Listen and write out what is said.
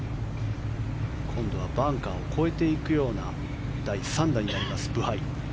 今度はバンカーを越えていくような第３打になりますブハイ。